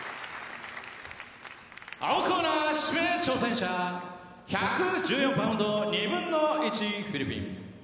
青コーナー、指名挑戦者１１４パウンド２分の１フィリピン。